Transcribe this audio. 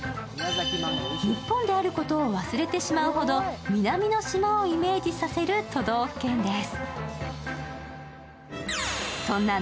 日本であることを忘れてしまうほど南の島をイメージさせる都道府県です。